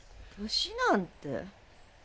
年なんて。